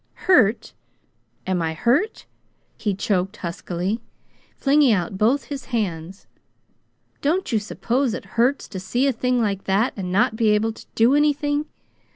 "Hurt? Am I hurt?" he choked huskily, flinging out both his hands. "Don't you suppose it hurts to see a thing like that and not be able to do anything?